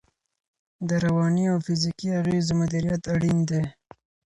د رواني او فزیکي اغېزو مدیریت اړین دی.